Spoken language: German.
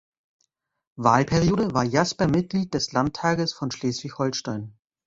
Wahlperiode, war Jasper Mitglied des Landtages von Schleswig-Holstein.